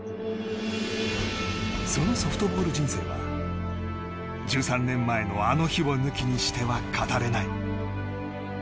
そのソフトボール人生は１３年前のあの日を抜きにしては語れない。